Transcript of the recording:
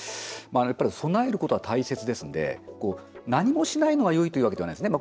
やっぱり備えることは大切ですんで何もしないのがよいというわけではないですね。